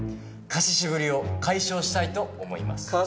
貸し渋りを解消したいと思います。